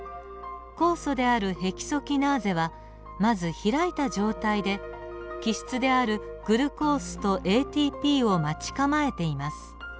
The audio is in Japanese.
酵素であるヘキソキナーゼはまず開いた状態で基質であるグルコースとＡＴＰを待ち構えています。